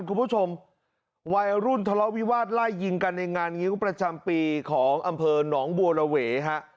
คุณผู้ชมวัยรุ่นทะเลาะวิวาสไล่ยิงกันในงานงิ้วประจำปีของอำเภอหนองบัวระเวฮะ